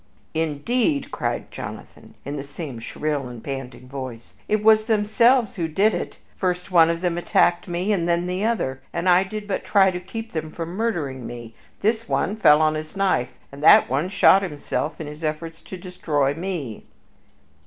"Indeed," cried Jonathan, in the same shrill and panting voice, "it was themselves who did it. First one of them attacked me and then the other, and I did but try to keep them from murdering me. This one fell on his knife, and that one shot himself in his efforts to destroy me."